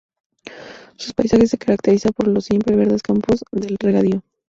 Su paisaje se caracteriza por los siempre verdes campos de regadío.